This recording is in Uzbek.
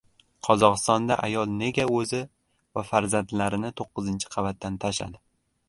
Qozog‘istonda ayol nega o‘zi va farzandlarini to'qqizinchi qavatdan tashladi?